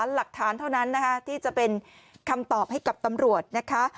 หลักฐานเท่านั้นนะคะที่จะเป็นคำตอบให้กับตำรวจนะคะ